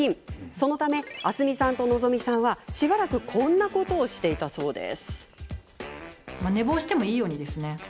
そのため明日海さんと望海さんはしばらくこんなことをしていたそうです。